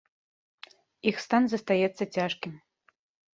Іх стан застаецца цяжкім.